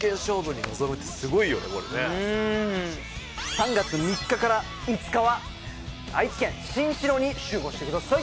３月３日から５日は愛知県新城に集合してください！